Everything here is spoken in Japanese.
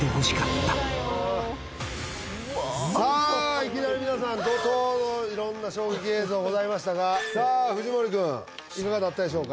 いきなり皆さん怒涛の色んな衝撃映像ございましたがさあ藤森君いかがだったでしょうか